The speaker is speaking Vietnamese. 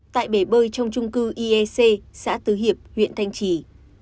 tại bể bơi trong trung cư iec xã tứ hiệp huyện thanh trì